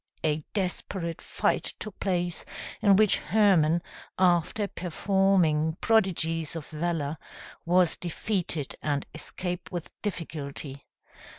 A desperate fight took place, in which Hermann, after performing prodigies of valor, was defeated, and escaped with difficulty.